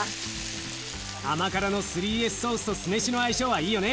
甘辛の３Ｓソースと酢飯の相性はいいよね。